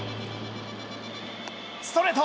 ストレート！